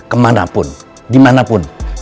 kemana pun dimana pun